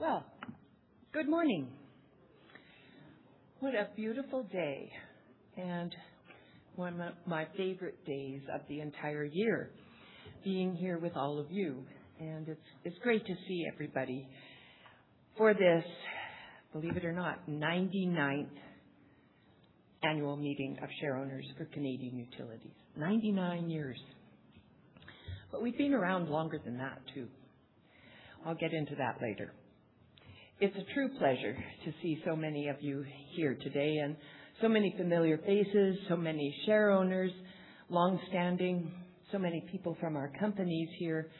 Well, good morning. What a beautiful day and one of my favorite days of the entire year, being here with all of you. It's great to see everybody for this, believe it or not, 99th annual meeting of shareowners for Canadian Utilities. 99 years. We've been around longer than that too. I'll get into that later. It's a true pleasure to see so many of you here today, so many familiar faces, so many shareowners, longstanding, so many people from our companies here.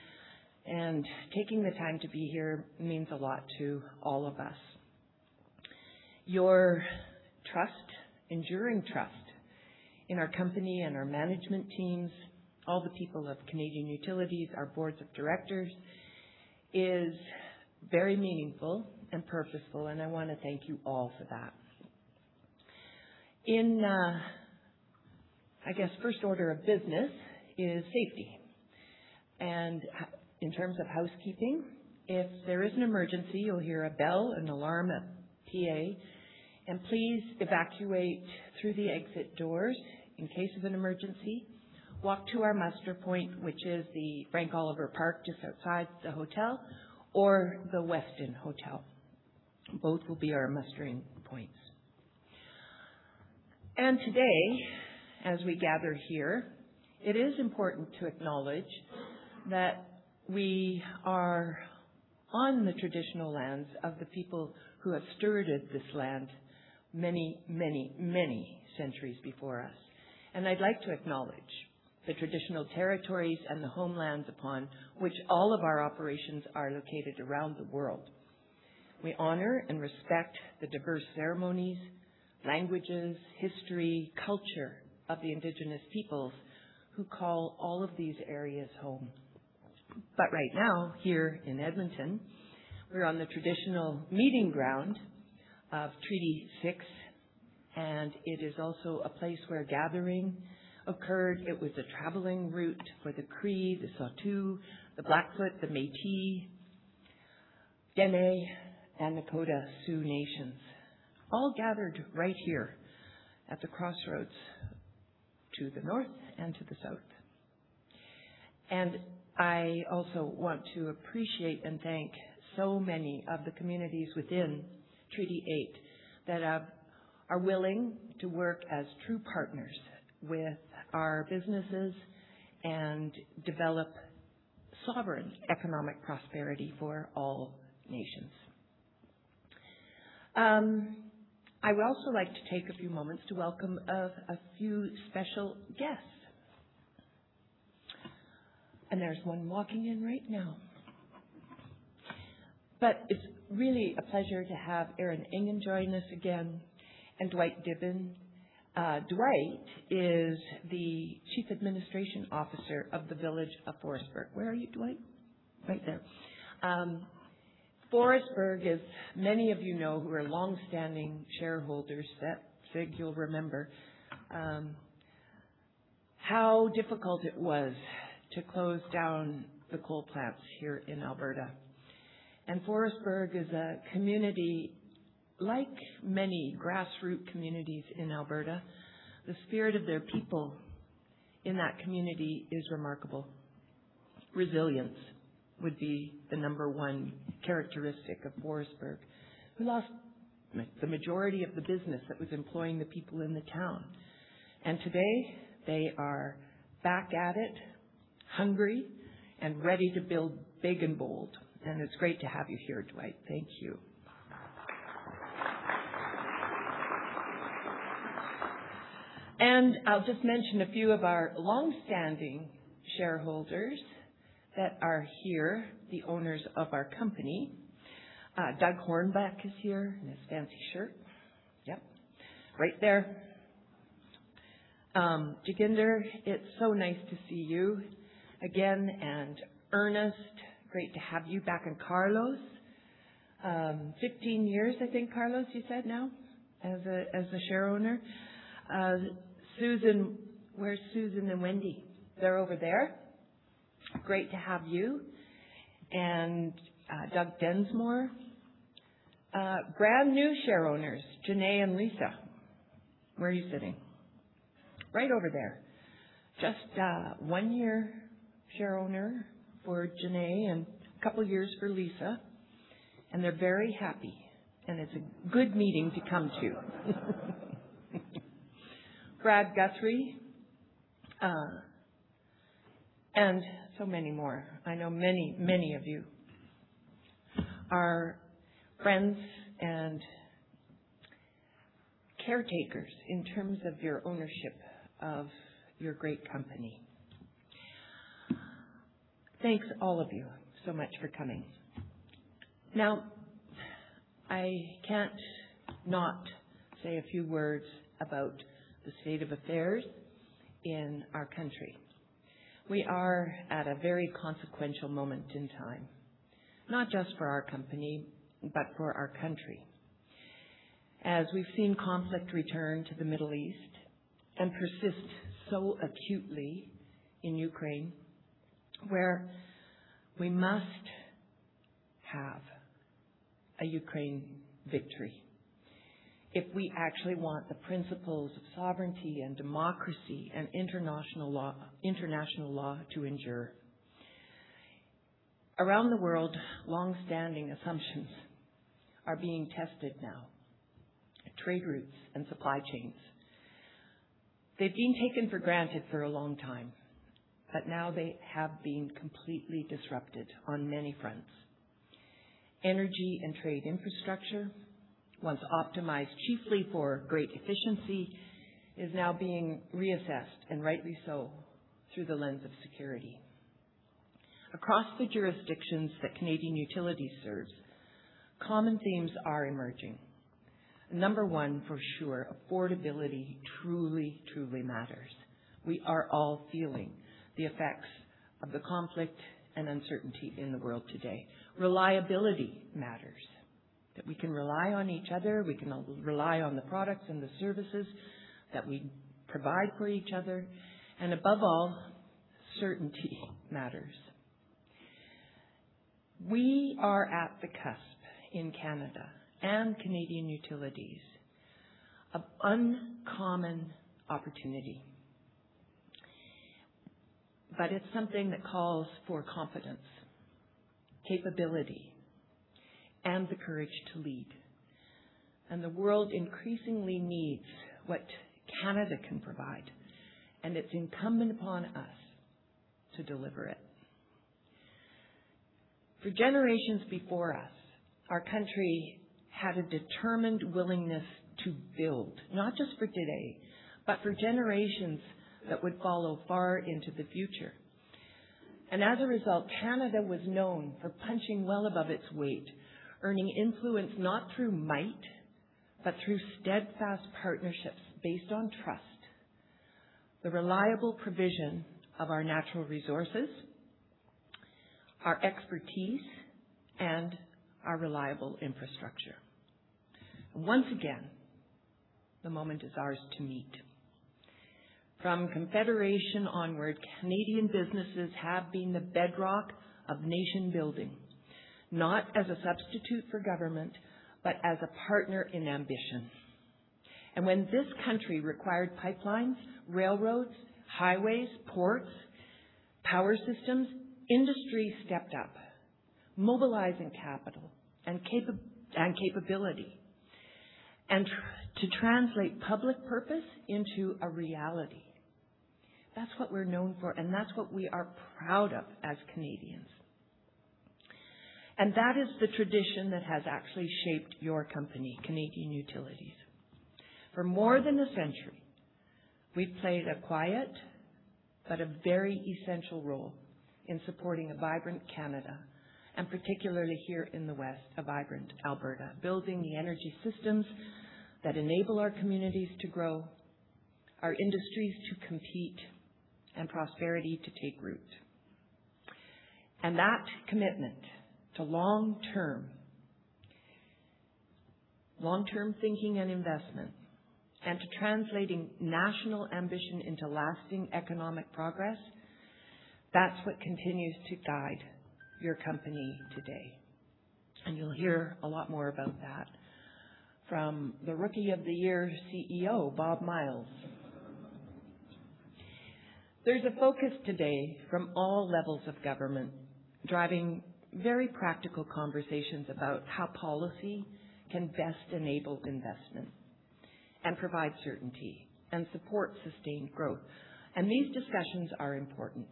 Taking the time to be here means a lot to all of us. Your trust, enduring trust in our company and our management teams, all the people of Canadian Utilities, our boards of directors, is very meaningful and purposeful, and I wanna thank you all for that. In, I guess first order of business is safety. In terms of house keeping, if there is an emergency, you'll hear a bell, an alarm, a PA, please evacuate through the exit doors in case of an emergency. Walk to our muster point, which is the Frank Oliver Park just outside the hotel or the Westin Hotel. Both will be our mustering points. Today, as we gather here, it is important to acknowledge that we are on the traditional lands of the people who have stewarded this land many centuries before us. I'd like to acknowledge the traditional territories and the homelands upon which all of our operations are located around the world. We honor and respect the diverse ceremonies, languages, history, culture of the indigenous peoples who call all of these areas home. Right now, here in Edmonton, we're on the traditional meeting ground of Treaty 6, and it is also a place where gathering occurred. It was a traveling route for the Cree, the Saulteaux, the Blackfoot, the Métis, Dene, and Nakoda Sioux Nations, all gathered right here at the crossroads to the north and to the south. I also want to appreciate and thank so many of the communities within Treaty 8 that are willing to work as true partners with our businesses and develop sovereign economic prosperity for all nations. I would also like to take a few moments to welcome a few special guests. There's one walking in right now. It's really a pleasure to have Aaron Engen joining us again, and Dwight Dibben. Dwight is the Chief Administration Officer of the village of Forestburg. Where are you, Dwight? Right there. Forestburg, as many of you know who are longstanding shareholders, that figure you'll remember, how difficult it was to close down the coal plants here in Alberta. Forestburg is a community like many grassroot communities in Alberta. The spirit of their people in that community is remarkable. Resilience would be the number one characteristic of Forestburg, who lost the majority of the business that was employing the people in the town. Today they are back at it, hungry and ready to build big and bold. It's great to have you here, Dwight. Thank you. I'll just mention a few of our longstanding shareholders that are here, the owners of our company. Doug Hornback is here in his fancy shirt. Yep, right there. Jaginder, it's so nice to see you again. Ernest, great to have you back. Carlos, 15 years I think, Carlos, you said now as a, as a shareowner. Susan. Where's Susan and Wendy? They're over there. Great to have you. Doug Densmore. Brand-new shareowners, Janae and Lisa. Where are you sitting? Right over there. Just, one-year shareowner for Janae and a couple years for Lisa, and they're very happy. It's a good meeting to come to. Brad Guthrie, and so many more. I know many of you are friends and caretakers in terms of your ownership of your great company. Thanks all of you so much for coming. Now, I can't not say a few words about the state of affairs in our country. We are at a very consequential moment in time, not just for our company, but for our country. As we've seen conflict return to the Middle East and persist so acutely in Ukraine, where we must have a Ukraine victory if we actually want the principles of sovereignty and democracy and international law to endure. Around the world, longstanding assumptions are being tested now. Trade routes and supply chains, they've been taken for granted for a long time, but now they have been completely disrupted on many fronts. Energy and trade infrastructure, once optimized chiefly for great efficiency, is now being reassessed, and rightly so, through the lens of security. Across the jurisdictions that Canadian Utilities serves, common themes are emerging. Number one, for sure, affordability truly matters. We are all feeling the effects of the conflict and uncertainty in the world today. Reliability matters, that we can rely on each other, we can rely on the products and the services that we provide for each other. Above all, certainty matters. We are at the cusp in Canada and Canadian Utilities of uncommon opportunity. It's something that calls for confidence, capability, and the courage to lead. The world increasingly needs what Canada can provide, and it's incumbent upon us to deliver it. For generations before us, our country had a determined willingness to build, not just for today, but for generations that would follow far into the future. As a result, Canada was known for punching well above its weight, earning influence not through might, but through steadfast partnerships based on trust, the reliable provision of our natural resources, our expertise, and our reliable infrastructure. Once again, the moment is ours to meet. From confederation onward, Canadian businesses have been the bedrock of nation-building, not as a substitute for government, but as a partner in ambition. When this country required pipelines, railroads, highways, ports, power systems, industry stepped up, mobilizing capital and capability to translate public purpose into a reality. That's what we're known for, and that's what we are proud of as Canadians. That is the tradition that has actually shaped your company, Canadian Utilities. For more than a century, we've played a quiet but a very essential role in supporting a vibrant Canada, and particularly here in the West, a vibrant Alberta, building the energy systems that enable our communities to grow, our industries to compete, and prosperity to take root. That commitment to long-term thinking and investment, and to translating national ambition into lasting economic progress, that's what continues to guide your company today. You'll hear a lot more about that from the Rookie of the Year CEO, Bob Myles. There's a focus today from all levels of government driving very practical conversations about how policy can best enable investment and provide certainty and support sustained growth. These discussions are important.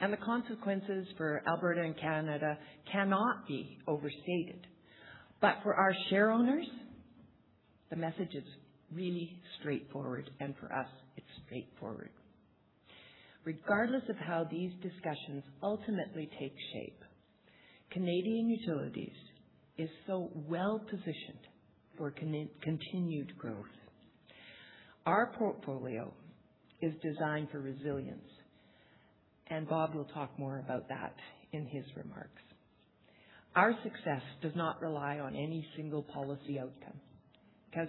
The consequences for Alberta and Canada cannot be overstated. For our shareowners, the message is really straightforward, and for us it's straightforward. Regardless of how these discussions ultimately take shape, Canadian Utilities is so well-positioned for continued growth. Our portfolio is designed for resilience, and Bob will talk more about that in his remarks. Our success does not rely on any single policy outcome, because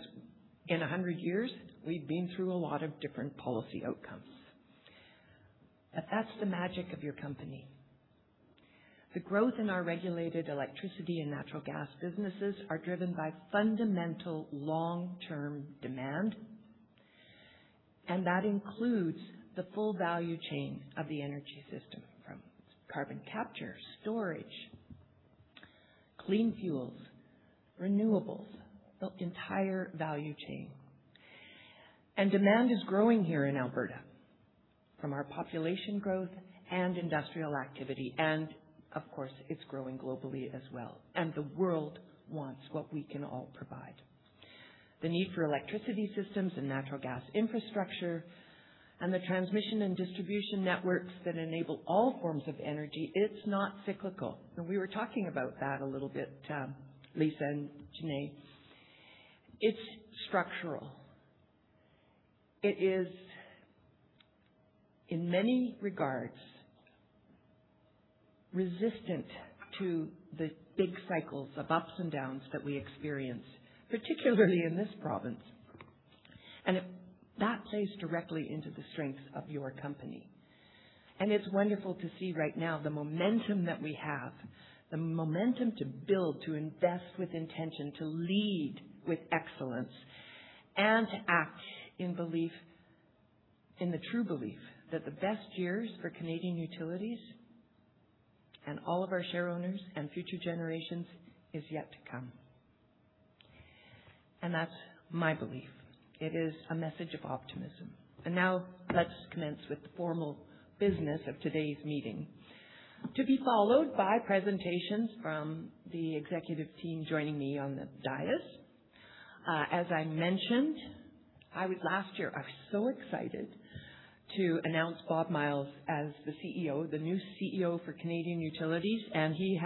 in 100 years we've been through a lot of different policy outcomes. That's the magic of your company. The growth in our regulated electricity and natural gas businesses are driven by fundamental long-term demand, that includes the full value chain of the energy system, from carbon capture, storage, clean fuels, renewables, the entire value chain. Demand is growing here in Alberta from our population growth and industrial activity, and of course, it's growing globally as well. The world wants what we can all provide. The need for electricity systems and natural gas infrastructure and the transmission and distribution networks that enable all forms of energy, it's not cyclical. We were talking about that a little bit, Lisa and Janae. It's structural. It is in many regards resistant to the big cycles of ups and downs that we experience, particularly in this province. That plays directly into the strength of your company. It's wonderful to see right now the momentum that we have, the momentum to build, to invest with intention, to lead with excellence, and to act in belief, in the true belief that the best years for Canadian Utilities and all of our share owners and future generations is yet to come. That's my belief. It is a message of optimism. Now let's commence with the formal business of today's meeting, to be followed by presentations from the executive team joining me on the dais. Last year, I was so excited to announce Bob Myles as the CEO, the new CEO for Canadian Utilities, and he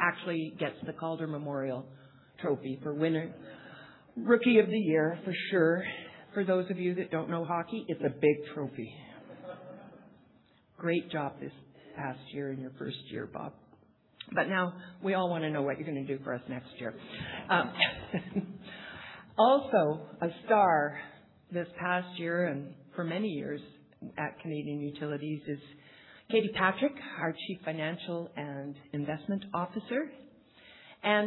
actually gets the Calder Memorial Trophy for winner Rookie of the Year, for sure. For those of you that don't know hockey, it's a big trophy. Great job this past year in your first year, Bob. Now we all wanna know what you're gonna do for us next year. Also a star this past year and for many years at Canadian Utilities is Katie Patrick, our Chief Financial and Investment Officer.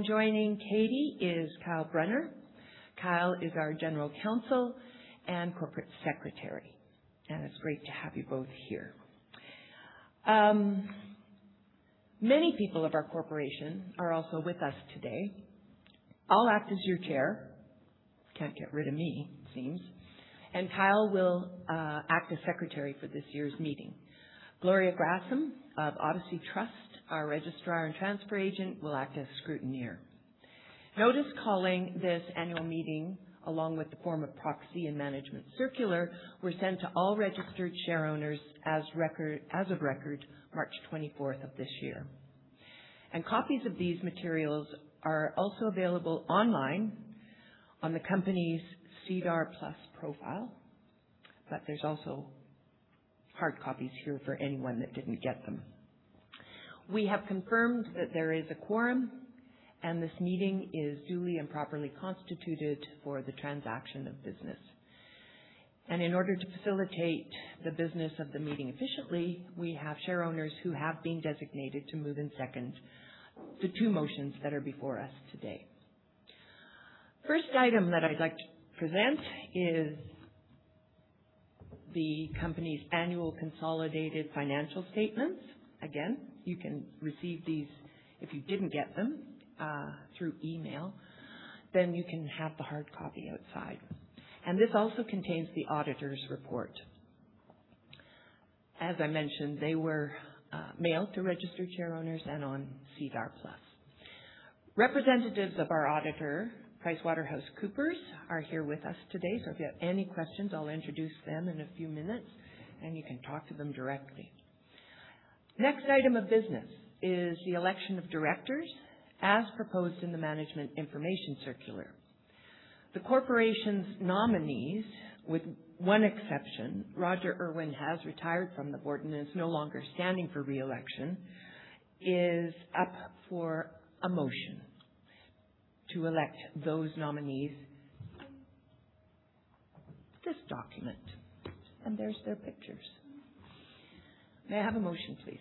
Joining Katie is Kyle Brunner. Kyle is our General Counsel and Corporate Secretary, and it's great to have you both here. Many people of our corporation are also with us today. I'll act as your chair. Can't get rid of me, it seems. Kyle will act as secretary for this year's meeting. Gloria Gratham of Odyssey Trust Company, our registrar and transfer agent, will act as scrutineer. Notice calling this annual meeting, along with the form of proxy and management circular, were sent to all registered share owners as of record March 24th of this year. Copies of these materials are also available online on the company's SEDAR+ profile. There's also hard copies here for anyone that didn't get them. We have confirmed that there is a quorum, and this meeting is duly and properly constituted for the transaction of business. In order to facilitate the business of the meeting efficiently, we have share owners who have been designated to move and second the two motions that are before us today. First item that I'd like to present is the company's annual consolidated financial statements. Again, you can receive these. If you didn't get them through email, you can have the hard copy outside. This also contains the auditor's report. As I mentioned, they were mailed to registered share owners and on SEDAR+. Representatives of our auditor, PricewaterhouseCoopers, are here with us today. If you have any questions, I'll introduce them in a few minutes, and you can talk to them directly. Next item of business is the election of directors as proposed in the management information circular. The corporation's nominees, with one exception, Roger Urwin has retired from the board and is no longer standing for re-election, is up for a motion to elect those nominees. This document, there's their pictures. May I have a motion, please?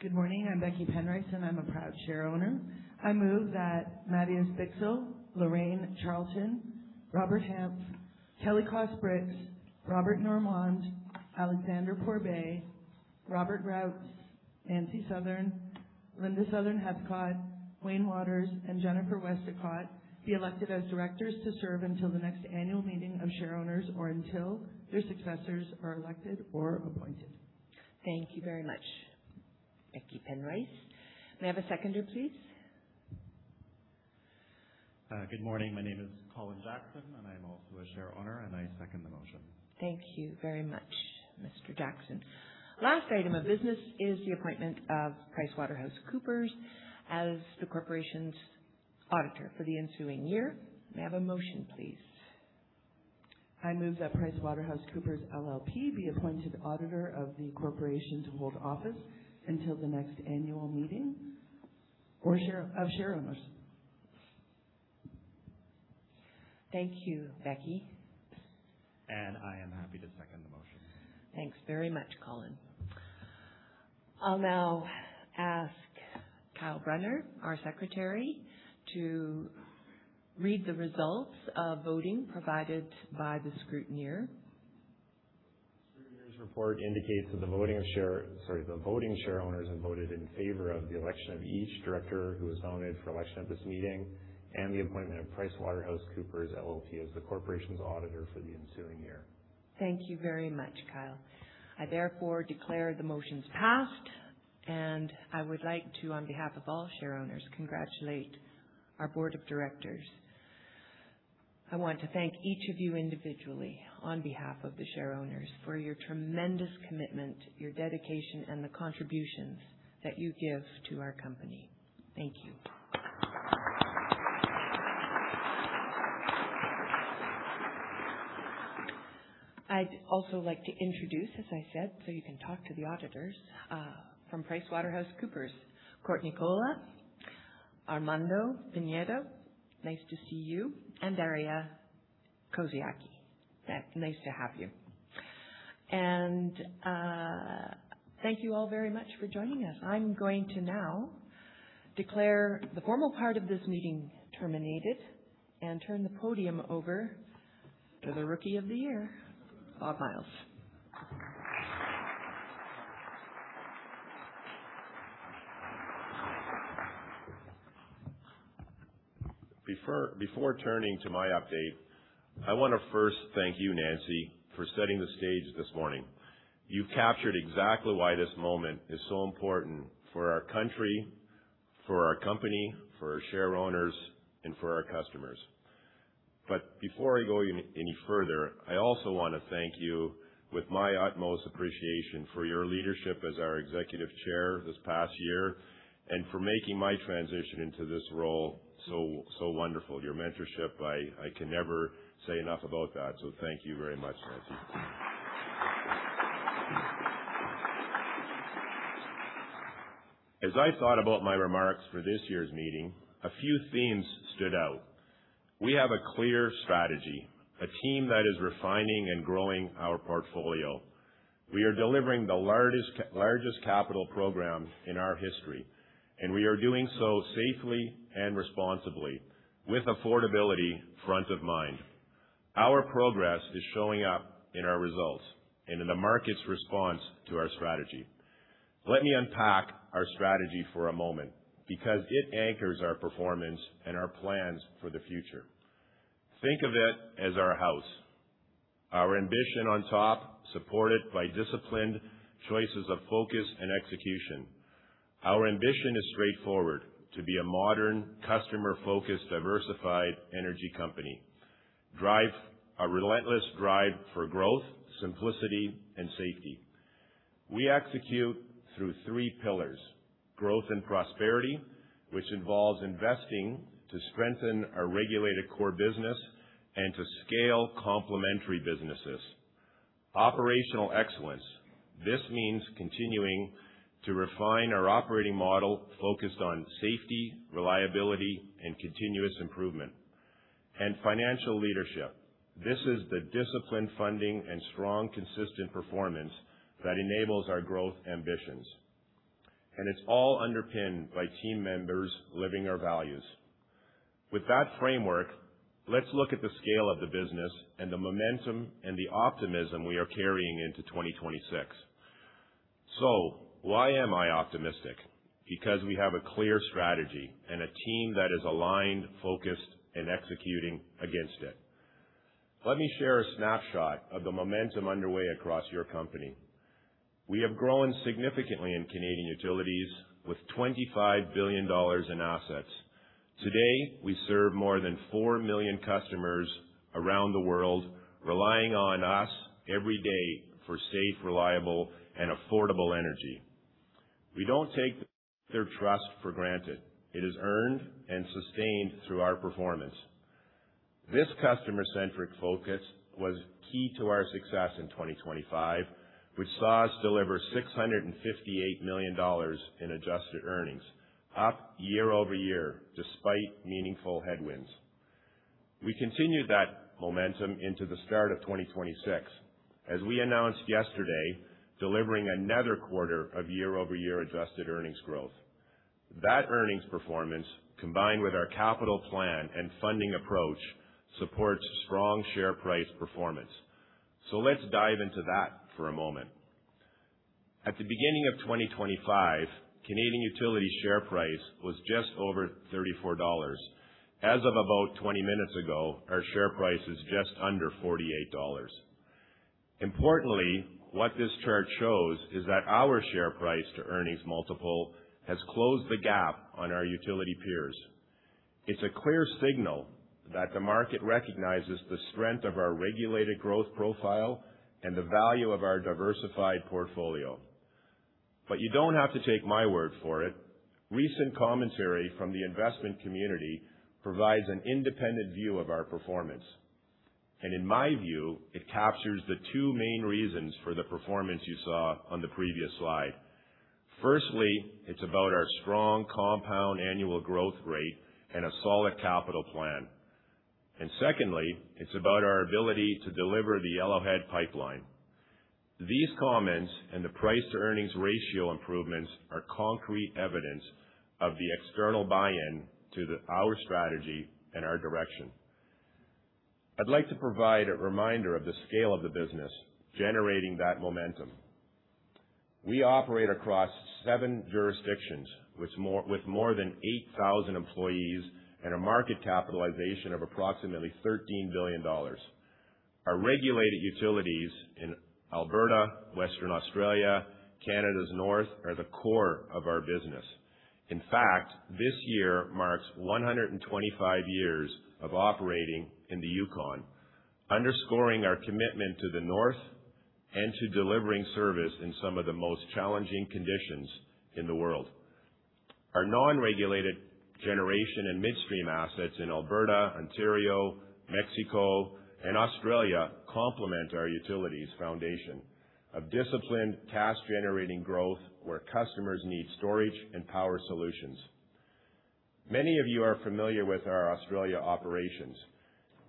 Good morning. I'm Becky Penrice, and I'm a proud share owner. I move that Matthias Bichsel, Loraine Charlton, Robert Hanf, Kelly Koss-Brix, Robert Normand, Alexander Pourbaix, Robert Routs, Nancy Southern, Linda Southern-Heathcott, Wayne Wouters, and Jennifer Westacott be elected as directors to serve until the next annual meeting of share owners or until their successors are elected or appointed. Thank you very much, Becky Penrice. May I have a seconder, please? Good morning. My name is Colin Jackson, and I'm also a share owner, and I second the motion. Thank you very much, Mr. Jackson. Last item of business is the appointment of PricewaterhouseCoopers as the corporation's auditor for the ensuing year. May I have a motion, please? I move that PricewaterhouseCoopers LLP be appointed auditor of the corporation to hold office until the next annual meeting of share owners. Thank you, Becky. I am happy to second the motion. Thanks very much, Colin. I will now ask Kyle Brunner, our secretary, to read the results of voting provided by the scrutineer. Scrutineer's report indicates that the voting share, sorry, the voting share owners have voted in favor of the election of each director who was nominated for election at this meeting and the appointment of PricewaterhouseCoopers LLP as the corporation's auditor for the ensuing year. Thank you very much, Kyle. I therefore declare the motions passed. I would like to, on behalf of all share owners, congratulate our board of directors. I want to thank each of you individually on behalf of the share owners for your tremendous commitment, your dedication, and the contributions that you give to our company. Thank you. I'd also like to introduce, as I said, so you can talk to the auditors, from PricewaterhouseCoopers, Courtney Kolla, Armando Pinedo, nice to see you, and Daria Koziaki. Yeah, nice to have you. Thank you all very much for joining us. I'm going to now declare the formal part of this meeting terminated and turn the podium over to the rookie of the year, Bob Myles. Before turning to my update, I wanna first thank you, Nancy, for setting the stage this morning. You captured exactly why this moment is so important for our country, for our company, for our share owners, and for our customers. Before I go any further, I also wanna thank you with my utmost appreciation for your leadership as our Executive Chair this past year and for making my transition into this role so wonderful. Your mentorship, I can never say enough about that. Thank you very much, Nancy. As I thought about my remarks for this year's meeting, a few themes stood out. We have a clear strategy, a team that is refining and growing our portfolio. We are delivering the largest capital program in our history, we are doing so safely and responsibly with affordability front of mind. Our progress is showing up in our results and in the market's response to our strategy. Let me unpack our strategy for a moment because it anchors our performance and our plans for the future. Think of it as our house. Our ambition on top, supported by disciplined choices of focus and execution. Our ambition is straightforward: to be a modern, customer-focused, diversified energy company. Drive a relentless drive for growth, simplicity, and safety. We execute through three pillars. Growth and prosperity, which involves investing to strengthen our regulated core business and to scale complementary businesses. Operational excellence. This means continuing to refine our operating model focused on safety, reliability, and continuous improvement. Financial leadership. This is the disciplined funding and strong, consistent performance that enables our growth ambitions. It's all underpinned by team members living our values. With that framework, let's look at the scale of the business and the momentum and the optimism we are carrying into 2026. Why am I optimistic? Because we have a clear strategy and a team that is aligned, focused, and executing against it. Let me share a snapshot of the momentum underway across your company. We have grown significantly in Canadian Utilities with 25 billion dollars in assets. Today, we serve more than 4 million customers around the world, relying on us every day for safe, reliable, and affordable energy. We don't take their trust for granted. It is earned and sustained through our performance. This customer-centric focus was key to our success in 2025, which saw us deliver 658 million dollars in adjusted earnings, up year-over-year despite meaningful headwinds. We continued that momentum into the start of 2026. As we announced yesterday, delivering another quarter of year-over-year adjusted earnings growth. That earnings performance, combined with our capital plan and funding approach, supports strong share price performance. Let's dive into that for a moment. At the beginning of 2025, Canadian Utilities share price was just over 34 dollars. As of about 20 minutes ago, our share price is just under 48 dollars. Importantly, what this chart shows is that our share price to earnings multiple has closed the gap on our utility peers. It's a clear signal that the market recognizes the strength of our regulated growth profile and the value of our diversified portfolio. You don't have to take my word for it. Recent commentary from the investment community provides an independent view of our performance. In my view, it captures the two main reasons for the performance you saw on the previous slide. Firstly, it's about our strong compound annual growth rate and a solid capital plan. Secondly, it's about our ability to deliver the Yellowhead Pipeline. These comments and the price-to-earnings ratio improvements are concrete evidence of the external buy-in to our strategy and our direction. I'd like to provide a reminder of the scale of the business generating that momentum. We operate across seven jurisdictions with more than 8,000 employees and a market capitalization of approximately 13 billion dollars. Our regulated utilities in Alberta, Western Australia, Canada's North are the core of our business. In fact, this year marks 125 years of operating in the Yukon, underscoring our commitment to the North and to delivering service in some of the most challenging conditions in the world. Our non-regulated generation and midstream assets in Alberta, Ontario, Mexico, and Australia complement our utilities foundation of disciplined cash-generating growth where customers need storage and power solutions. Many of you are familiar with our Australia operations.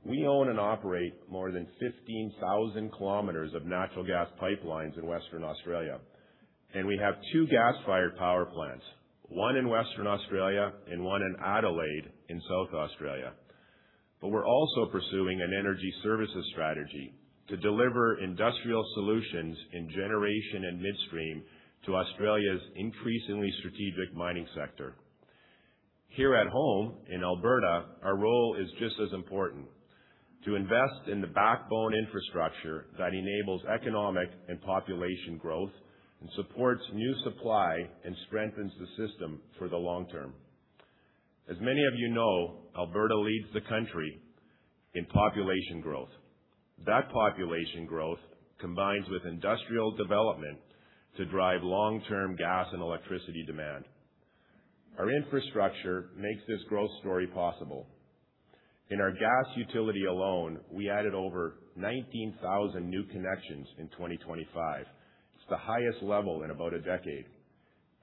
We own and operate more than 15,000 km of natural gas pipelines in Western Australia, and we have two gas-fired power plants, one in Western Australia and one in Adelaide in South Australia. We're also pursuing an energy services strategy to deliver industrial solutions in generation and midstream to Australia's increasingly strategic mining sector. Here at home in Alberta, our role is just as important to invest in the backbone infrastructure that enables economic and population growth and supports new supply and strengthens the system for the long term. As many of you know, Alberta leads the country in population growth. That population growth combines with industrial development to drive long-term gas and electricity demand. Our infrastructure makes this growth story possible. In our gas utility alone, we added over 19,000 new connections in 2025. It's the highest level in about a decade.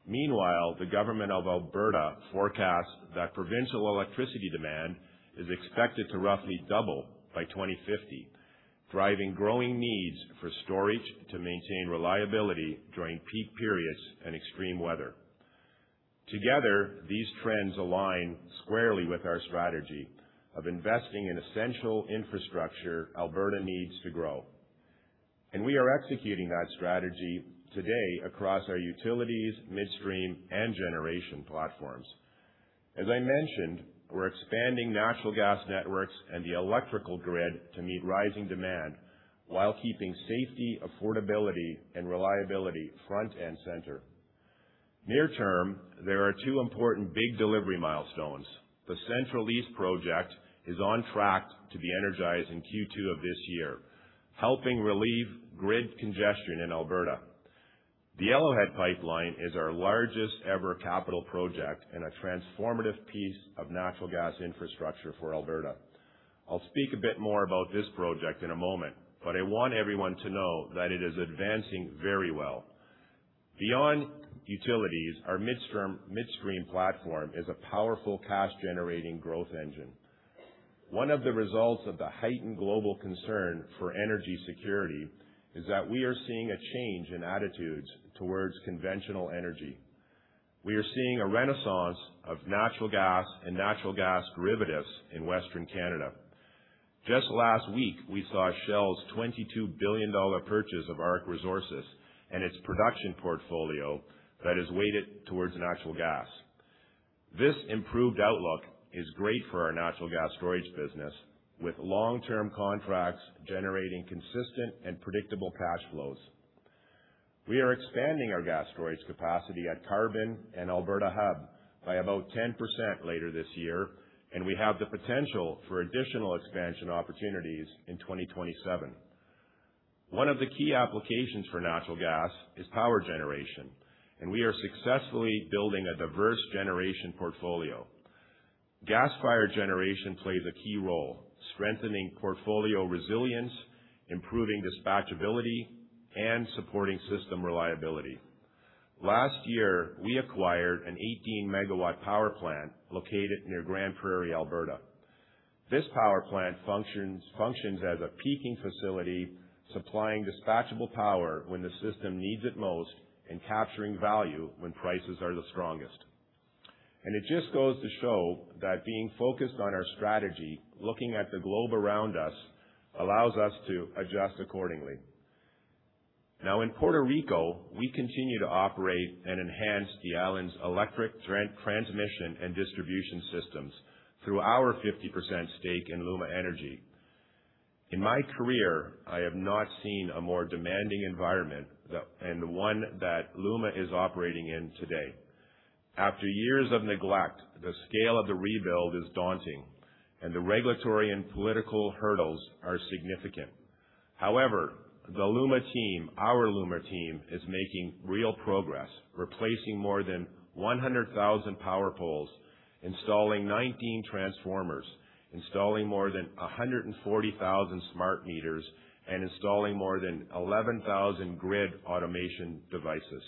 Meanwhile, the Government of Alberta forecasts that provincial electricity demand is expected to roughly double by 2050, driving growing needs for storage to maintain reliability during peak periods and extreme weather. Together, these trends align squarely with our strategy of investing in essential infrastructure Alberta needs to grow, and we are executing that strategy today across our utilities, midstream, and generation platforms. As I mentioned, we're expanding natural gas networks and the electrical grid to meet rising demand while keeping safety, affordability, and reliability front and center. Near term, there are two important big delivery milestones. The Central East Project is on track to be energized in Q2 of this year, helping relieve grid congestion in Alberta. The Yellowhead Pipeline is our largest-ever capital project and a transformative piece of natural gas infrastructure for Alberta. I'll speak a bit more about this project in a moment, but I want everyone to know that it is advancing very well. Beyond utilities, our midstream platform is a powerful cash-generating growth engine. One of the results of the heightened global concern for energy security is that we are seeing a change in attitudes towards conventional energy. We are seeing a renaissance of natural gas and natural gas derivatives in Western Canada. Just last week, we saw Shell's 22 billion dollar purchase of ARC Resources and its production portfolio that is weighted towards natural gas. This improved outlook is great for our natural gas storage business, with long-term contracts generating consistent and predictable cash flows. We are expanding our gas storage capacity at Carbon and Alberta Hub by about 10% later this year, and we have the potential for additional expansion opportunities in 2027. One of the key applications for natural gas is power generation, and we are successfully building a diverse generation portfolio. Gas-fired generation plays a key role, strengthening portfolio resilience, improving dispatchability, and supporting system reliability. Last year, we acquired an 18 MW power plant located near Grande Prairie, Alberta. This power plant functions as a peaking facility, supplying dispatchable power when the system needs it most and capturing value when prices are the strongest. It just goes to show that being focused on our strategy, looking at the globe around us allows us to adjust accordingly. Now in Puerto Rico, we continue to operate and enhance the island's electric transmission and distribution systems through our 50% stake in LUMA Energy. In my career, I have not seen a more demanding environment and one that LUMA is operating in today. After years of neglect, the scale of the rebuild is daunting and the regulatory and political hurdles are significant. The LUMA team, our LUMA team, is making real progress, replacing more than 100,000 power poles, installing 19 transformers, installing more than 140,000 smart meters, and installing more than 11,000 grid automation devices.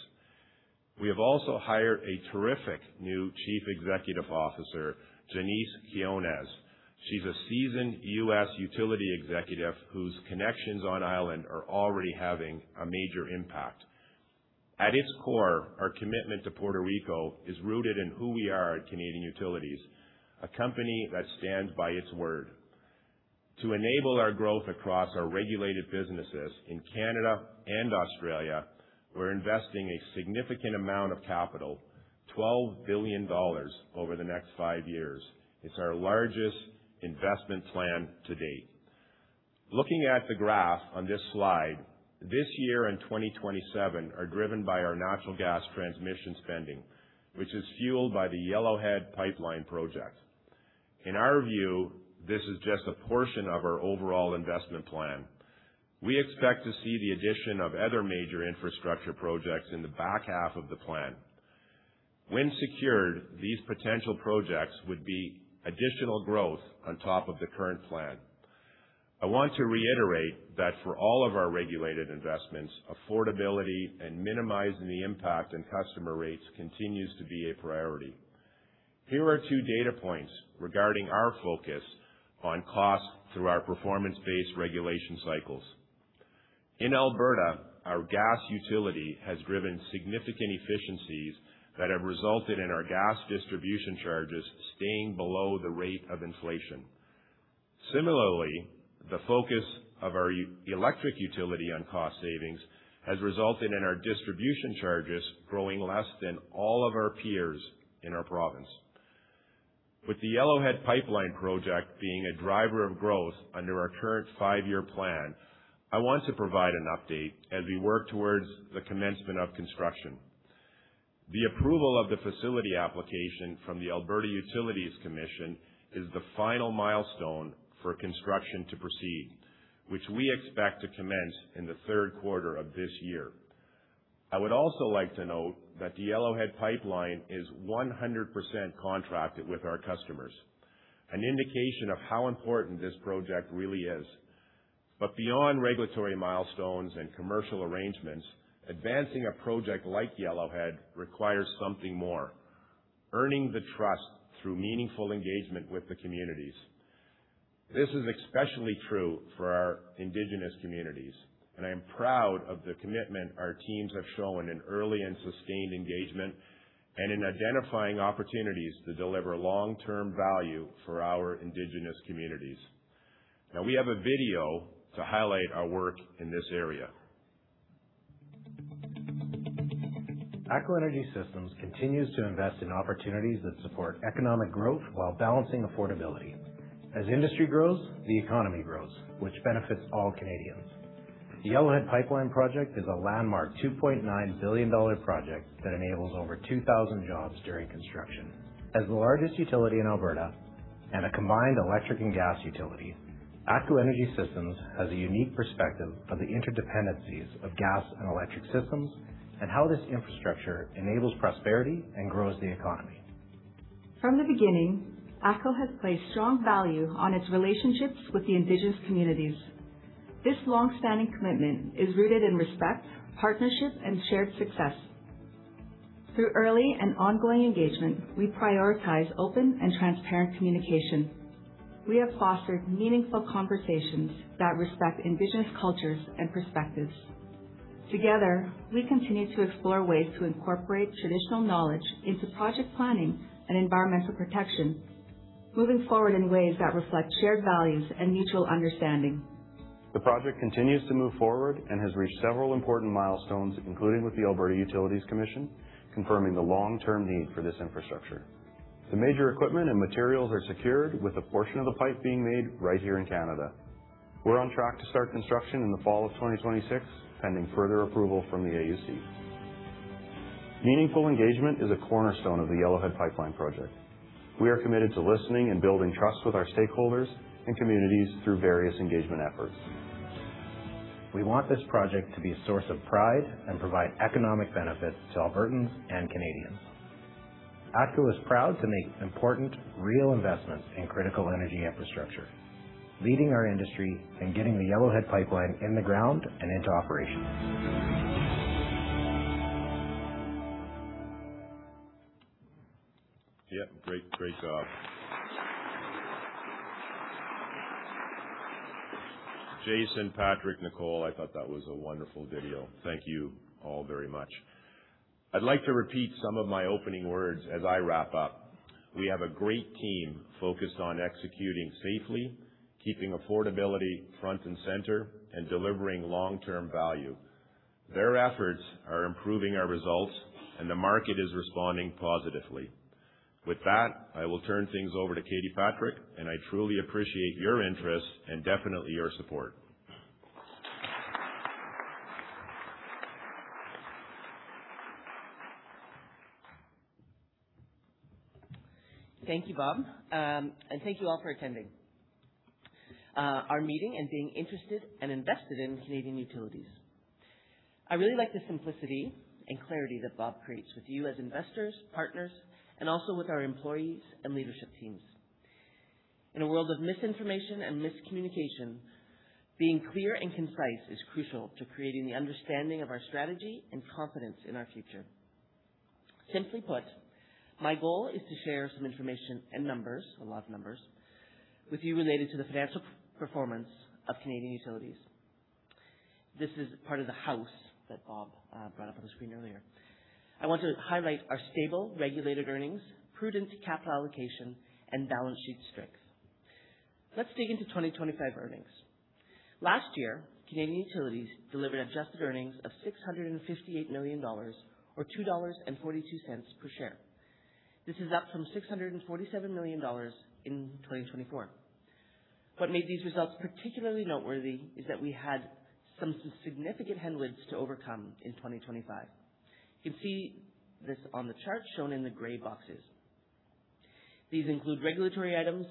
We have also hired a terrific new Chief Executive Officer, Janisse Quiñones. She's a seasoned U.S. utility executive whose connections on island are already having a major impact. At its core, our commitment to Puerto Rico is rooted in who we are at Canadian Utilities, a company that stands by its word. To enable our growth across our regulated businesses in Canada and Australia, we're investing a significant amount of capital, 12 billion dollars over the next five years. It's our largest investment plan to date. Looking at the graph on this slide, this year and 2027 are driven by our natural gas transmission spending, which is fueled by the Yellowhead Pipeline Project. In our view, this is just a portion of our overall investment plan. We expect to see the addition of other major infrastructure projects in the back half of the plan. When secured, these potential projects would be additional growth on top of the current plan. I want to reiterate that for all of our regulated investments, affordability and minimizing the impact on customer rates continues to be a priority. Here are two data points regarding our focus on cost through our performance-based regulation cycles. In Alberta, our gas utility has driven significant efficiencies that have resulted in our gas distribution charges staying below the rate of inflation. Similarly, the focus of our electric utility on cost savings has resulted in our distribution charges growing less than all of our peers in our province. With the Yellowhead Pipeline Project being a driver of growth under our current five-year plan, I want to provide an update as we work towards the commencement of construction. The approval of the facility application from the Alberta Utilities Commission is the final milestone for construction to proceed, which we expect to commence in the third quarter of this year. I would also like to note that the Yellowhead Pipeline is 100% contracted with our customers, an indication of how important this project really is. Beyond regulatory milestones and commercial arrangements, advancing a project like Yellowhead requires something more, earning the trust through meaningful engagement with the communities. This is especially true for our Indigenous communities, and I am proud of the commitment our teams have shown in early and sustained engagement and in identifying opportunities to deliver long-term value for our Indigenous communities. Now, we have a video to highlight our work in this area. ATCO Energy Systems continues to invest in opportunities that support economic growth while balancing affordability. As industry grows, the economy grows, which benefits all Canadians. The Yellowhead Pipeline Project is a landmark 2.9 billion dollar project that enables over 2,000 jobs during construction. As the largest utility in Alberta and a combined electric and gas utility, ATCO Energy Systems has a unique perspective of the interdependencies of gas and electric systems and how this infrastructure enables prosperity and grows the economy. From the beginning, ATCO has placed strong value on its relationships with the Indigenous communities. This long-standing commitment is rooted in respect, partnership, and shared success. Through early and ongoing engagement, we prioritize open and transparent communication. We have fostered meaningful conversations that respect Indigenous cultures and perspectives. Together, we continue to explore ways to incorporate traditional knowledge into project planning and environmental protection, moving forward in ways that reflect shared values and mutual understanding. The project continues to move forward and has reached several important milestones, including with the Alberta Utilities Commission, confirming the long-term need for this infrastructure. The major equipment and materials are secured with a portion of the pipe being made right here in Canada. We're on track to start construction in the fall of 2026, pending further approval from the AUC. Meaningful engagement is a cornerstone of the Yellowhead Pipeline Project. We are committed to listening and building trust with our stakeholders and communities through various engagement efforts. We want this project to be a source of pride and provide economic benefits to Albertans and Canadians. ATCO is proud to make important real investments in critical energy infrastructure, leading our industry in getting the Yellowhead Pipeline in the ground and into operations. Yeah, great job. Jason, Patrick, Nicole, I thought that was a wonderful video. Thank you all very much. I'd like to repeat some of my opening words as I wrap up. We have a great team focused on executing safely, keeping affordability front and center, and delivering long-term value. Their efforts are improving our results, and the market is responding positively. With that, I will turn things over to Katie Patrick, and I truly appreciate your interest and definitely your support. Thank you, Bob. Thank you all for attending our meeting and being interested and invested in Canadian Utilities. I really like the simplicity and clarity that Bob creates with you as investors, partners, and also with our employees and leadership teams. In a world of misinformation and miscommunication, being clear and concise is crucial to creating the understanding of our strategy and confidence in our future. Simply put, my goal is to share some information and numbers, a lot of numbers, with you related to the financial performance of Canadian Utilities. This is part of the house that Bob brought up on the screen earlier. I want to highlight our stable regulated earnings, prudent capital allocation, and balance sheet strength. Let's dig into 2025 earnings. Last year, Canadian Utilities delivered adjusted earnings of 658 million dollars or 2.42 dollars per share. This is up from 647 million dollars in 2024. What made these results particularly noteworthy is that we had some significant headwinds to overcome in 2025. You can see this on the chart shown in the gray boxes. These include regulatory items,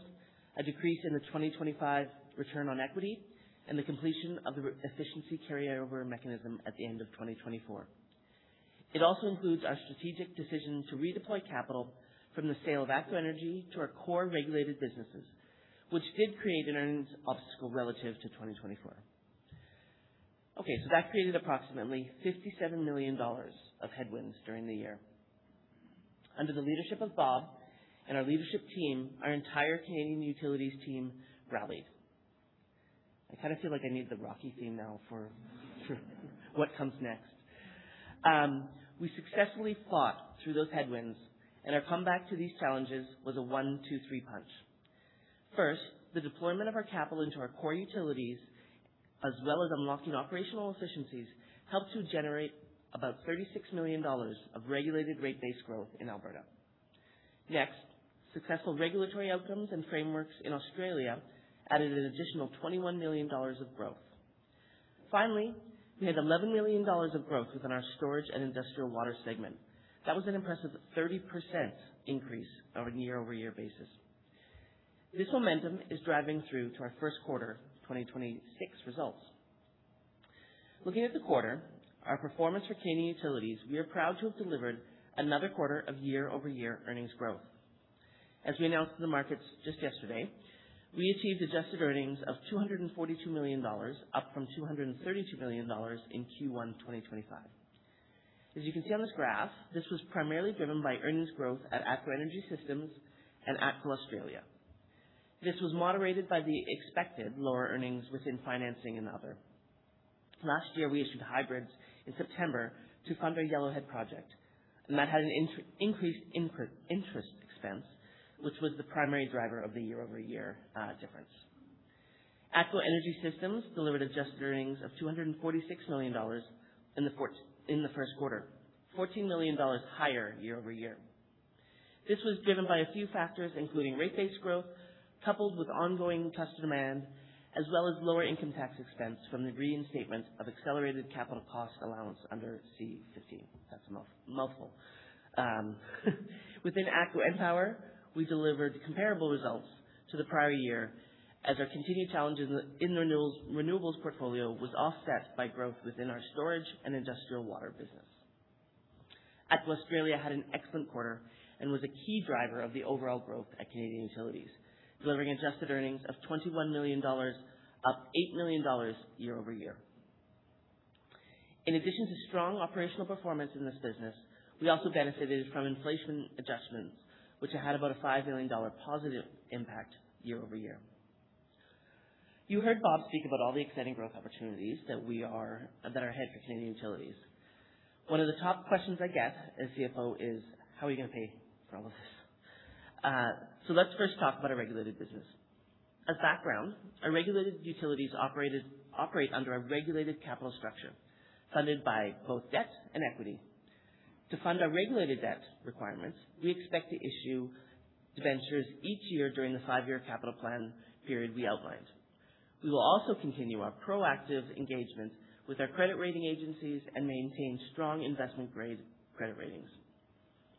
a decrease in the 2025 return on equity, and the completion of the efficiency carryover mechanism at the end of 2024. It also includes our strategic decision to redeploy capital from the sale of ATCO Energy to our core regulated businesses, which did create an earnings obstacle relative to 2024. That created approximately 57 million dollars of headwinds during the year. Under the leadership of Bob and our leadership team, our entire Canadian Utilities team rallied. I kind of feel like I need the Rocky theme now for what comes next. We successfully fought through those headwinds. Our comeback to these challenges was a one-two-three punch. First, the deployment of our capital into our core utilities as well as unlocking operational efficiencies helped to generate about 36 million dollars of regulated rate base growth in Alberta. Next, successful regulatory outcomes and frameworks in Australia added an additional 21 million dollars of growth. Finally, we had 11 million dollars of growth within our Storage and Industrial Water segment. That was an impressive 30% increase on a year-over-year basis. This momentum is driving through to our first quarter 2026 results. Looking at the quarter, our performance for Canadian Utilities, we are proud to have delivered another quarter of year-over-year earnings growth. As we announced to the markets just yesterday, we achieved adjusted earnings of 242 million dollars, up from 232 million dollars in Q1 2025. As you can see on this graph, this was primarily driven by earnings growth at ATCO Energy Systems and ATCO Australia. This was moderated by the expected lower earnings within financing and other. Last year, we issued hybrids in September to fund our Yellowhead Project, and that had an increased interest expense, which was the primary driver of the year-over-year difference. ATCO Energy Systems delivered adjusted earnings of 246 million dollars in the first quarter, 14 million dollars higher year-over-year. This was driven by a few factors, including rate-based growth coupled with ongoing customer demand, as well as lower income tax expense from the reinstatement of accelerated capital cost allowance under C-59. That's a mouthful. Within ATCO EnPower, we delivered comparable results to the prior year as our continued challenges in the renewables portfolio was offset by growth within our Storage and Industrial Water business. ATCO Australia had an excellent quarter and was a key driver of the overall growth at Canadian Utilities, delivering adjusted earnings of 21 million dollars, up 8 million dollars year-over-year. In addition to strong operational performance in this business, we also benefited from inflation adjustments, which had about a 5 million dollar positive impact year-over-year. You heard Bob speak about all the exciting growth opportunities that are ahead for Canadian Utilities. One of the top questions I get as CFO is, how are we gonna pay for all of this? Let's first talk about our regulated business. As background, our regulated utilities operate under a regulated capital structure funded by both debt and equity. To fund our regulated debt requirements, we expect to issue debentures each year during the five-year capital plan period we outlined. We will also continue our proactive engagement with our credit rating agencies and maintain strong investment grade credit ratings.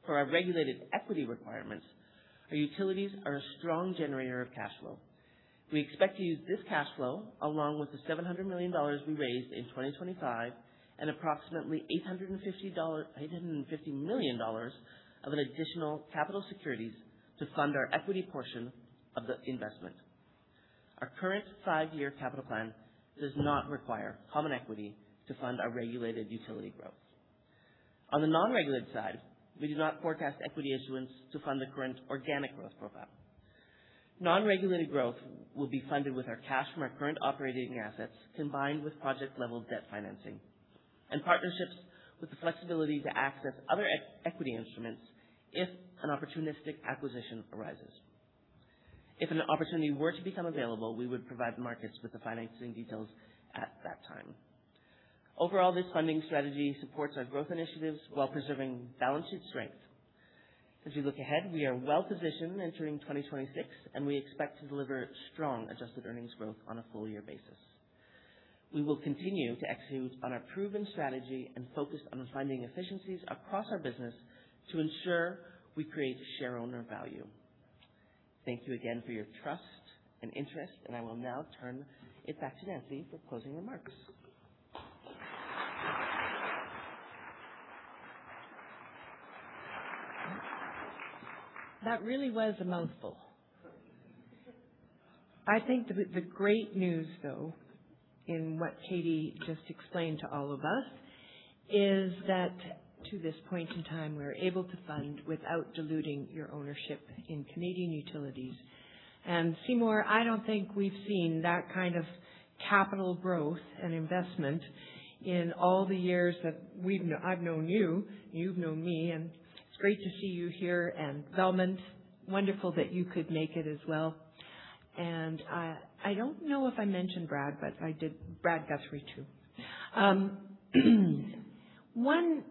For our regulated equity requirements, our utilities are a strong generator of cash flow. We expect to use this cash flow along with the 700 million dollars we raised in 2025 and approximately 850 million dollars of an additional capital securities to fund our equity portion of the investment. Our current five-year capital plan does not require common equity to fund our regulated utility growth. On the non-regulated side, we do not forecast equity issuance to fund the current organic growth profile. Non-regulated growth will be funded with our cash from our current operating assets, combined with project-level debt financing and partnerships with the flexibility to access other equity instruments if an opportunistic acquisition arises. If an opportunity were to become available, we would provide markets with the financing details at that time. Overall, this funding strategy supports our growth initiatives while preserving balance sheet strength. As we look ahead, we are well-positioned entering 2026, and we expect to deliver strong adjusted earnings growth on a full-year basis. We will continue to execute on our proven strategy and focus on finding efficiencies across our business to ensure we create shareowner value. Thank you again for your trust and interest, and I will now turn it back to Nancy for closing remarks. That really was a mouthful. I think the great news though, in what Katie just explained to all of us, is that to this point in time, we're able to fund without diluting your ownership in Canadian Utilities. Seymour, I don't think we've seen that kind of capital growth and investment in all the years that I've known you've known me, and it's great to see you here. Velmind, wonderful that you could make it as well. I don't know if I mentioned Brad, but Brad Guthrie too. One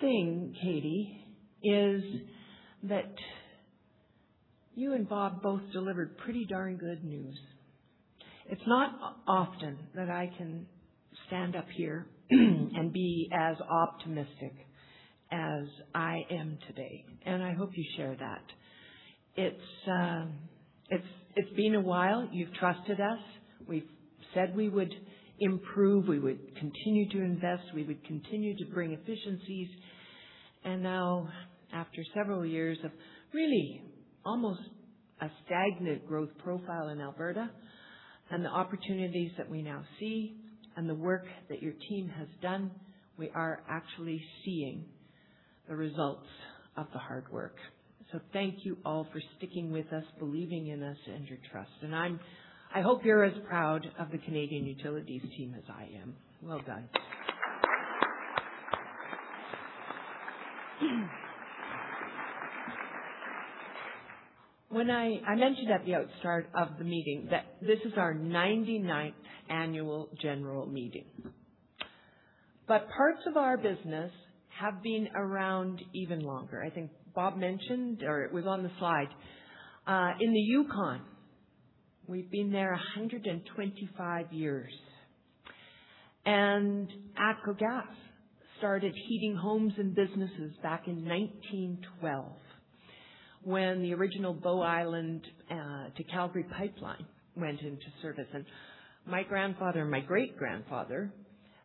thing, Katie, is that you and Bob Myles both delivered pretty darn good news. It's not often that I can stand up here and be as optimistic as I am today, and I hope you share that. It's been a while. You've trusted us. We've said we would improve, we would continue to invest, we would continue to bring efficiencies. Now, after several years of really almost a stagnant growth profile in Alberta, and the opportunities that we now see and the work that your team has done, we are actually seeing the results of the hard work. Thank you all for sticking with us, believing in us, and your trust. I hope you're as proud of the Canadian Utilities team as I am. Well done. When I mentioned at the outstart of the meeting that this is our 99th annual general meeting. Parts of our business have been around even longer. I think Bob mentioned, or it was on the slide, in the Yukon, we've been there 125 years. ATCO Gas started heating homes and businesses back in 1912 when the original Bow Island to Calgary pipeline went into service. My grandfather and my great-grandfather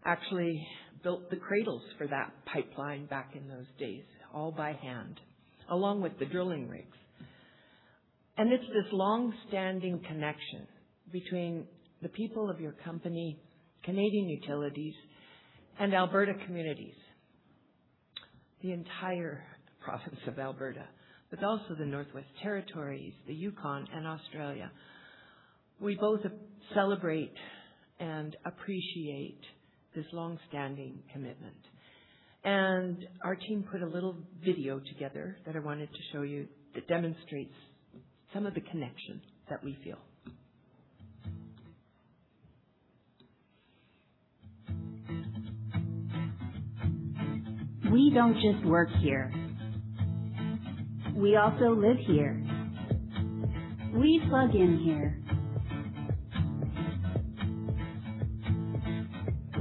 actually built the cradles for that pipeline back in those days, all by hand, along with the drilling rigs. It's this longstanding connection between the people of your company, Canadian Utilities, and Alberta communities, the entire province of Alberta, but also the Northwest Territories, the Yukon, and Australia. We both celebrate and appreciate this longstanding commitment. Our team put a little video together that I wanted to show you that demonstrates some of the connections that we feel. We don't just work here. We also live here. We plug in here.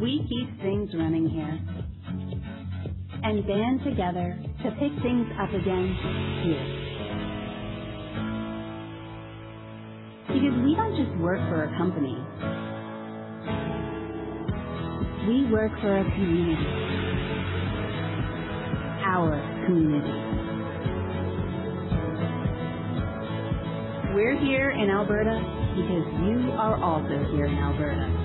We keep things running here and band together to pick things up again here. Because we don't just work for a company. We work for a community. Our community. We're here in Alberta because you are also here in Alberta.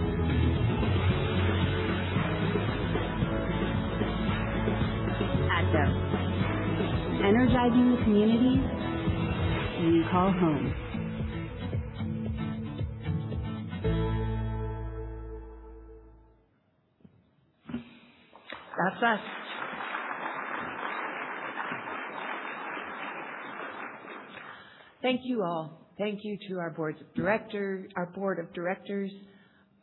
ATCO, energizing the communities you call home. That's us. Thank you all. Thank you to our board of directors,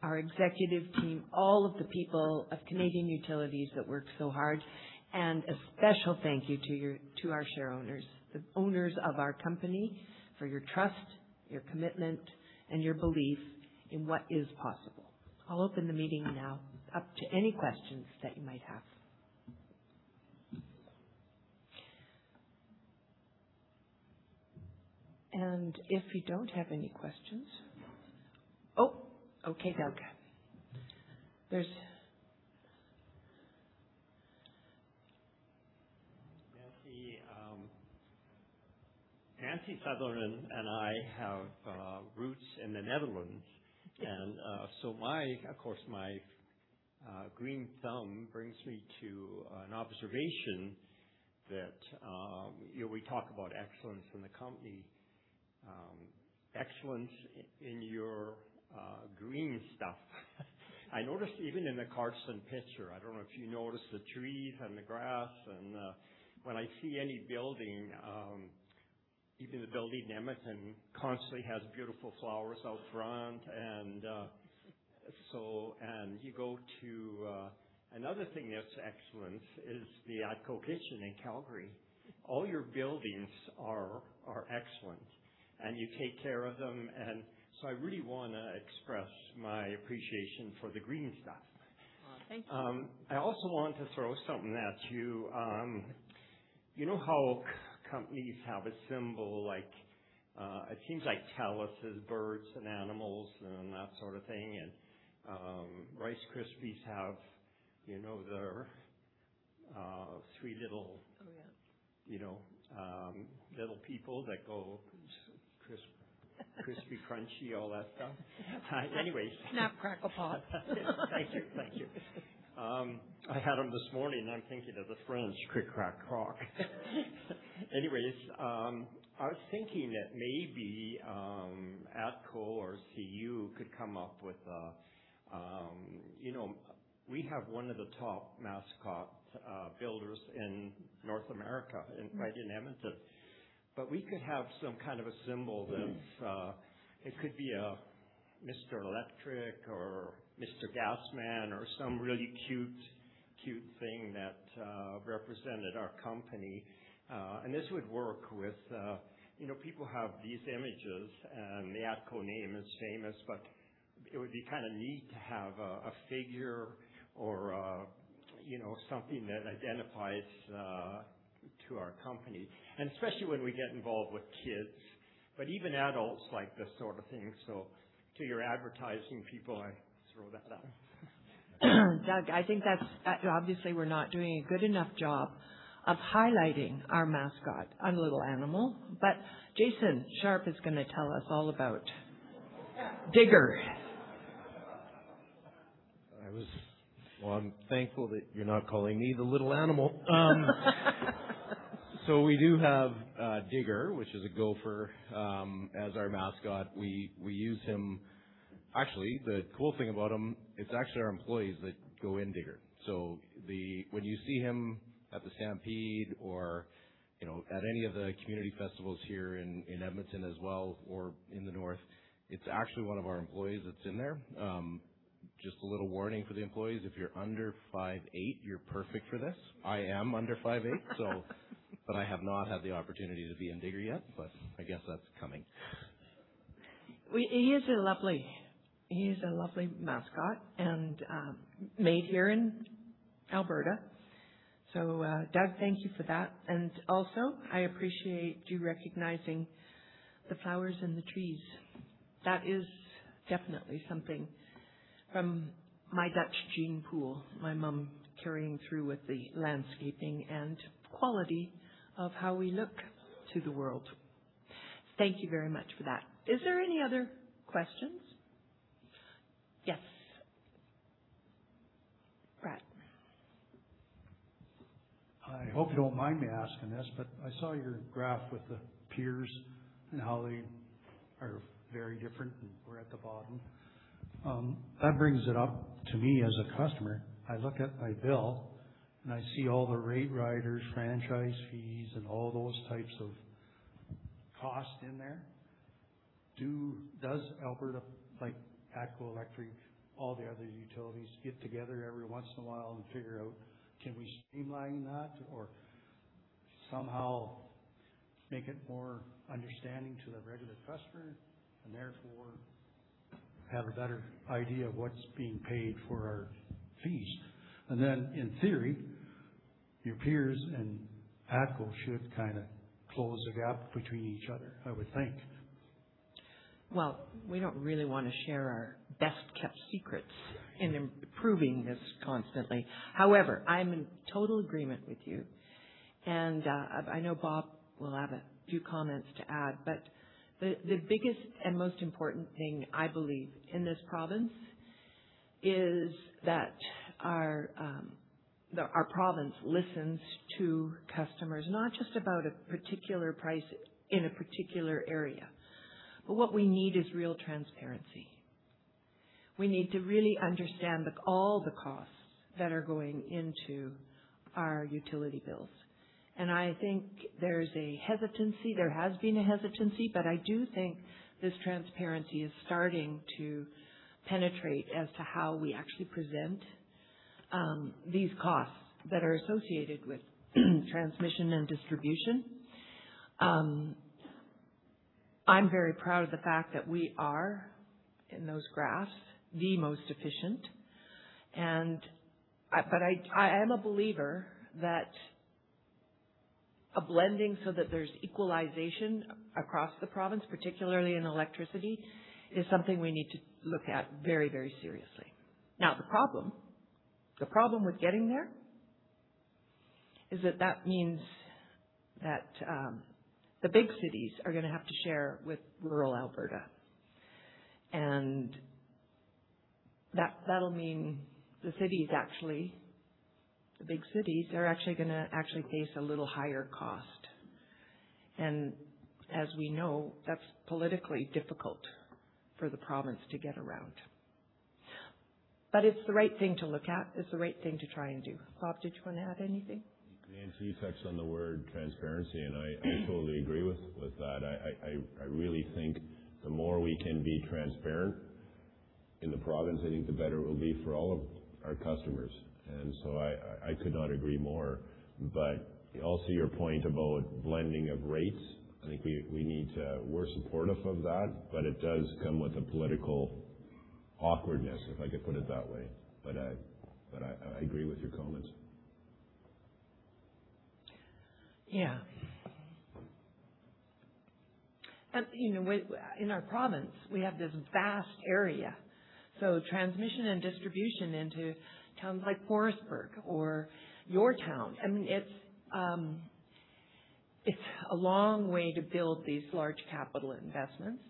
our executive team, all of the people of Canadian Utilities that work so hard. A special thank you to our share owners, the owners of our company, for your trust, your commitment, and your belief in what is possible. I'll open the meeting now up to any questions that you might have. If you don't have any questions. Oh, okay, [Doug]. Nancy Southern and I have roots in the Netherlands. So my, of course, my green thumb brings me to an observation that, you know, we talk about excellence in the company, excellence in your green stuff. I noticed even in the Carson picture, I don't know if you noticed the trees and the grass when I see any building, even the building in Edmonton constantly has beautiful flowers out front. You go to another thing that's excellence is the ATCO Kitchen in Calgary. All your buildings are excellent, and you take care of them. I really wanna express my appreciation for the green stuff. Aw, thank you. I also want to throw something at you. You know how companies have a symbol like, it seems like TELUS' birds and animals and that sort of thing. Rice Krispies have, you know, their, three little- Oh, yeah. You know, little people that go crisp, crispy, crunchy, all that stuff. Snap, Crackle, Pop. Thank you. Thank you. I had them this morning. I'm thinking of the French, Cri, Cra, Croc. Anyways, I was thinking that maybe ATCO or CU could come up with a, you know, we have one of the top mascot builders in North America and right in Edmonton. We could have some kind of a symbol that's, it could be a Mr. Electric or Mr. Gas Man or some really cute thing that represented our company. This would work with, you know, people have these images, and the ATCO name is famous, but it would be kinda neat to have a figure or, you know, something that identifies to our company, and especially when we get involved with kids. Even adults like this sort of thing. To your advertising people, I throw that out. Doug, I think that's obviously we're not doing a good enough job of highlighting our mascot, our little animal. Jason Sharpe is gonna tell us all about Digger. I'm thankful that you're not calling me the little animal. We do have Digger, which is a gopher, as our mascot. We use him. Actually, the cool thing about him, it's actually our employees that go in Digger. When you see him at the Stampede or, you know, at any of the community festivals here in Edmonton as well, or in the north, it's actually one of our employees that's in there. Just a little warning for the employees, if you're under 5'8", you're perfect for this. I am under 5'8". I have not had the opportunity to be in Digger yet, but I guess that's coming. He is a lovely mascot, made here in Alberta. Doug, thank you for that. Also, I appreciate you recognizing the flowers and the trees. That is definitely something from my Dutch gene pool, my mom carrying through with the landscaping and quality of how we look to the world. Thank you very much for that. Is there any other questions? Yes. Brad. I hope you don't mind me asking this, but I saw your graph with the peers and how they are very different, and we're at the bottom. That brings it up to me as a customer. I look at my bill, and I see all the rate riders, franchise fees, and all those types of costs in there. Does Alberta, like ATCO Electric, all the other utilities, get together every once in a while and figure out, can we streamline that or somehow make it more understanding to the regular customer, and therefore have a better idea of what's being paid for our fees? In theory, your peers and ATCO should kinda close the gap between each other, I would think. Well, we don't really wanna share our best-kept secrets in improving this constantly. I'm in total agreement with you. I know Bob will have a few comments to add, but the biggest and most important thing I believe in this province is that our province listens to customers, not just about a particular price in a particular area. What we need is real transparency. We need to really understand all the costs that are going into our utility bills. I think there's a hesitancy, there has been a hesitancy, I do think this transparency is starting to penetrate as to how we actually present these costs that are associated with transmission and distribution. I'm very proud of the fact that we are, in those graphs, the most efficient. I am a believer that a blending so that there's equalization across the province, particularly in electricity, is something we need to look at very seriously. The problem with getting there is that that means that the big cities are gonna have to share with rural Alberta. That'll mean the big cities are actually gonna face a little higher cost. As we know, that's politically difficult for the province to get around. It's the right thing to look at. It's the right thing to try and do. Bob, did you wanna add anything? You glance your sights on the word transparency. I totally agree with that. I really think the more we can be transparent in the province, I think the better it will be for all of our customers. So I could not agree more. Also your point about blending of rates, I think we're supportive of that, but it does come with a political awkwardness, if I could put it that way. I agree with your comments. Yeah. You know, in our province, we have this vast area, so transmission and distribution into towns like Forestburg or your town, I mean, it's a long way to build these large capital investments.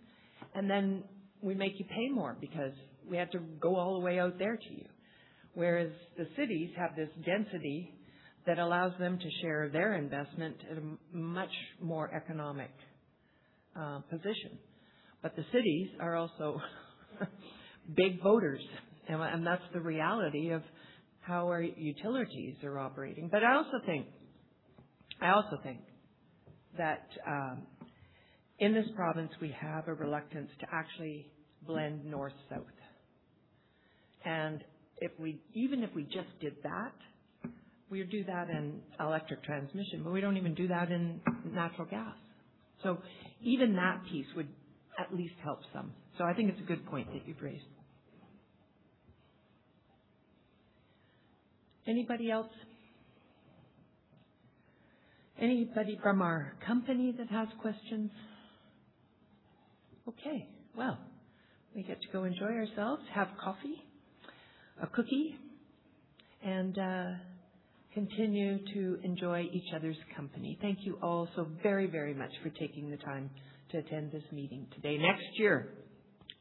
We make you pay more because we have to go all the way out there to you. Whereas the cities have this density that allows them to share their investment at a much more economic position. The cities are also big voters, and that's the reality of how our utilities are operating. I also think that in this province, we have a reluctance to actually blend north-south. If we, even if we just did that, we would do that in electric transmission, we don't even do that in natural gas. Even that piece would at least help some. I think it's a good point that you've raised. Anybody else? Anybody from our company that has questions? We get to go enjoy ourselves, have coffee, a cookie, and continue to enjoy each other's company. Thank you all so very, very much for taking the time to attend this meeting today. Next year,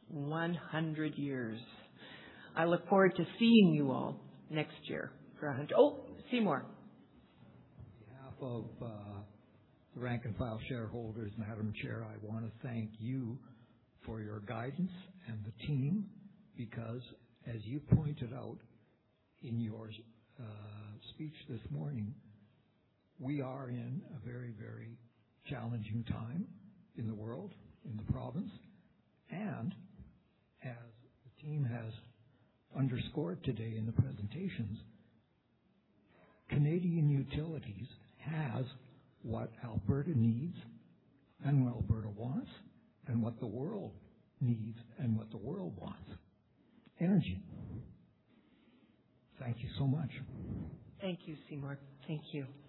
100 years. I look forward to seeing you all next year. Oh, Seymour. On behalf of the rank and file shareholders, Madam Chair, I want to thank you for your guidance and the team because, as you pointed out in your speech this morning, we are in a very, very challenging time in the world, in the province. As the team has underscored today in the presentations, Canadian Utilities has what Alberta needs and what Alberta wants and what the world needs and what the world wants: energy. Thank you so much. Thank you, Seymour. Thank you.